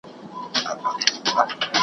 نړوي چي مدرسې د واسکټونو .